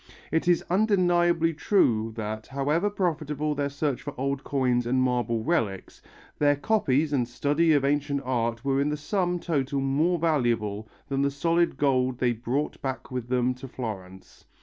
It is undeniably true that however profitable their search for old coins and marble relics, their copies and study of ancient art were in their sum total more valuable than the solid gold they brought back with them to Florence.